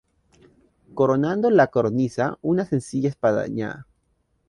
Coronando la cornisa, una sencilla espadaña.